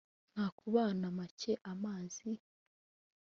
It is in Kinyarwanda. ntakubana make amazi